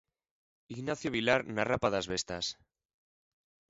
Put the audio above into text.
Ignacio Vilar na Rapa das Bestas.